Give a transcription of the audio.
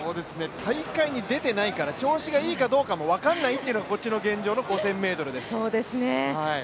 大会に出てないから調子がいいかどうかも分かんないっていうのがこっちの現状の５０００ｍです。